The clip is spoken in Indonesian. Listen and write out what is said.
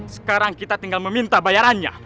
sekarang kita tinggal meminta bayarannya